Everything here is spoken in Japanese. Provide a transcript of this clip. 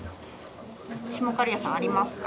下刈谷さんありますか？